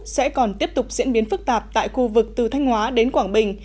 sẽ còn tiếp tục diễn biến phức tạp tại khu vực từ thanh hóa đến quảng bình